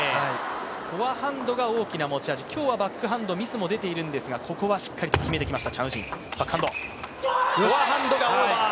フォアハンドが大きな持ち味、今日はバックハンド、ミスも出ているんですが、ここはしっかりと決めてきました、チャン・ウジン。